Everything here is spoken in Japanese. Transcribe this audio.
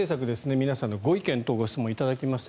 皆さんのご意見・ご質問を頂きました。